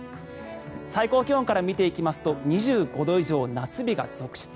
最高気温から見ていきますと２５度以上夏日が続出。